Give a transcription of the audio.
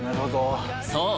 そう！